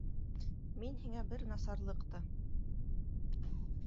- Мин һиңә бер насарлыҡ та...